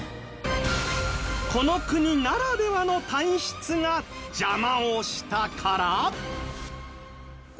この国ならではの体質が邪魔をしたから！？